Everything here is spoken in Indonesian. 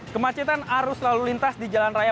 kemacetan arus lalu lintas di jalan raya